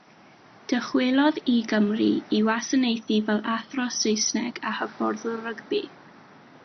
Dychwelodd i Gymru i wasanaethu fel athro Saesneg a hyfforddwr rygbi.